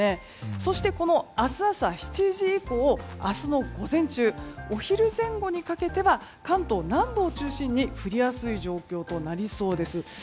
そして、明日朝７時以降明日の午前中お昼前後にかけては関東南部を中心に降りやすい状況となりそうです。